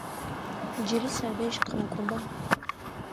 Джыри садэжь къакӏоба!